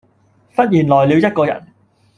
忽然來了一個人；